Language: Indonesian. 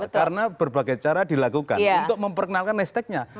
karena berbagai cara dilakukan untuk memperkenalkan es teknya